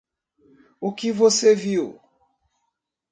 O que você viu